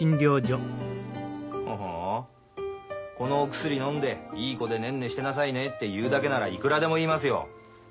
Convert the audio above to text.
ほほうこのお薬のんでいい子でねんねしてなさいねって言うだけならいくらでも言いますよ。